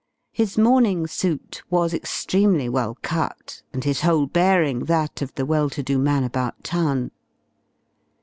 His morning suit was extremely well cut, and his whole bearing that of the well to do man about town.